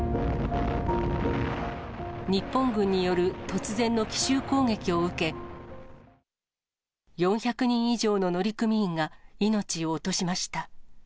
日本軍による突然の奇襲攻撃を受け、４００人以上の乗組員が命を落としました。